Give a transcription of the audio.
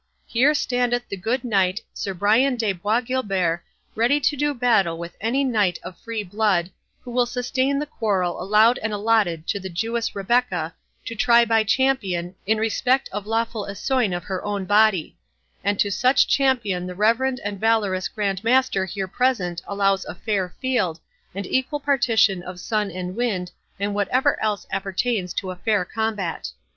—Here standeth the good Knight, Sir Brian de Bois Guilbert, ready to do battle with any knight of free blood, who will sustain the quarrel allowed and allotted to the Jewess Rebecca, to try by champion, in respect of lawful essoine of her own body; and to such champion the reverend and valorous Grand Master here present allows a fair field, and equal partition of sun and wind, and whatever else appertains to a fair combat."